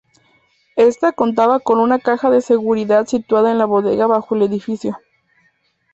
Esta contaba con una caja de seguridad situada en la bóveda bajo el edificio.